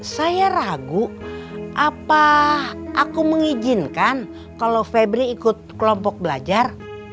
saya ragu apa aku mengizinkan kalau febri ikut kelompok belajar